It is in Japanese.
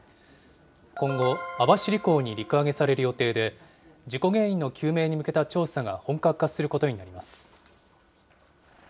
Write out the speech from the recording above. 今後、網走港に陸揚げされる予定で、事故原因の究明に向けた調査が本格化することになります。